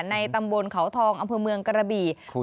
ในตำบลเขาทองอำเภอเมืองกระบี่